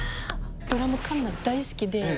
ドラムカンナ大好きで。